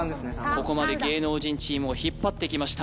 ここまで芸能人チームを引っ張ってきました